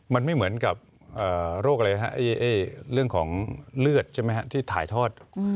มันไม่เหมือนกับเรื่องของเลือดที่ถ่ายทอด